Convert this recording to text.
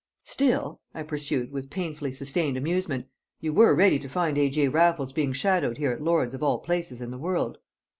"Still," I pursued, with painfully sustained amusement, "you were ready to find A.J. Raffles being shadowed here at Lord's of all places in the world?"